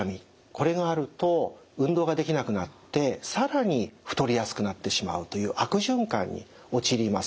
これがあると運動ができなくなって更に太りやすくなってしまうという悪循環に陥ります。